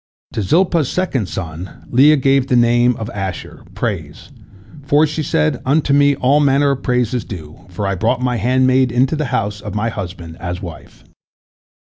To Zilpah's second son Leah gave the name of Asher, "praise," for, she said, "Unto me all manner of praise is due, for I brought my handmaid into the house of my husband as wife.